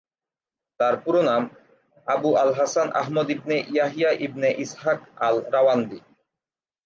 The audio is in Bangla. তার পুরো নাম: Abu al-Hasan Ahmad ibn Yahya ibn Ishaq আল-রাওয়ান্দি।